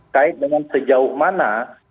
kait dengan sejauh mana